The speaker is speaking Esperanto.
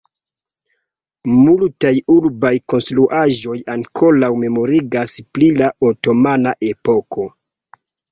Multaj urbaj konstruaĵoj ankoraŭ memorigas pri la otomana epoko.